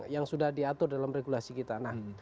yang sudah diatur dalam regulasi kita